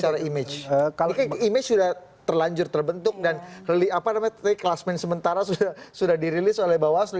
ini image ini kan image sudah terlanjur terbentuk dan apa namanya tadi klasmen sementara sudah dirilis oleh mbak waslu